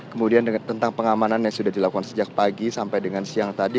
kemudian tentang pengamanan yang sudah dilakukan sejak pagi sampai dengan siang tadi